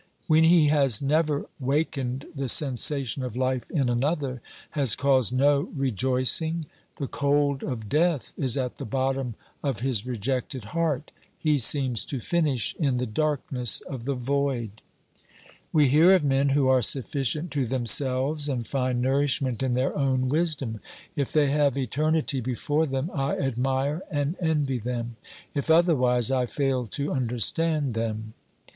When he has never wakened the sensation of hfe in another, has caused no rejoicing, the cold of death is at the bottom of his rejected heart ; he seems to finish in the darkness of the void. We hear of men who are sufficient to themselves and find nourishment in their own wisdom. If they have eternity before them, I admire and envy them ; if otherwise, I fail to understand them.